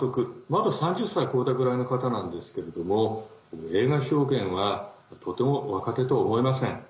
まだ３０歳超えたぐらいの方なんですけれども映画表現はとても若手と思えません。